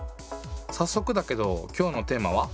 さっそくだけど今日のテーマは？